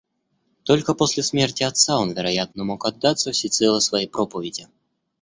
Только после смерти отца он, вероятно, мог отдаться всецело своей проповеди.